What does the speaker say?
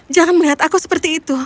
jangan melihat aku seperti itu